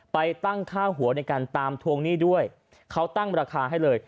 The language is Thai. ไปตั้งค่าหัวในการตามทวงหนี้ด้วยเขาตั้งราคาให้เลย